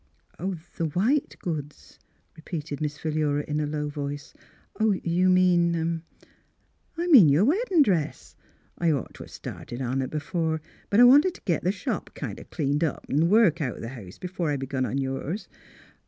" The white goods," repeated Miss Philura in a low voice. " You mean —"" I mean your weddin' dress. I'd ought t' have started on it b'fore; but I wanted t' git the shop kind o' cleaned up an' th' work out th' house, b'fore I begun on yours."